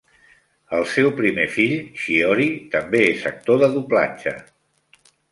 El seu primer fill, Shiori, també és actor de doblatge.